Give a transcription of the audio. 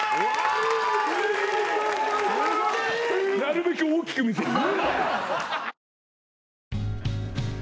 なるべく大きく見せる。